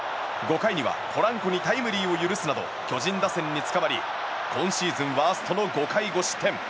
５回にはポランコにタイムリーを許すなど巨人打線につかまり今シーズンワーストの５回５失点。